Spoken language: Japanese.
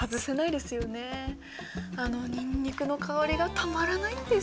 あのにんにくの香りがたまらないんです。